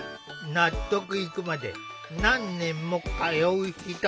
納得いくまで何年も通う人も。